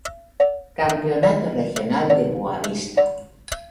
Campeonato regional de Boavista